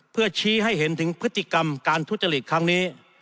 เพื่อชี้ให้เห็นถึงพฤติกรรมการทุจริตครั้งนี้